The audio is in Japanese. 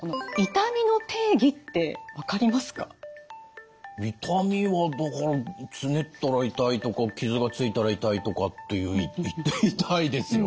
痛みはだからつねったら痛いとか傷がついたら痛いとかっていう痛いですよ。